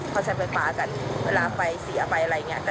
เขาใช้ไฟฟ้ากันเวลาไฟเสียไปอะไรอย่างนี้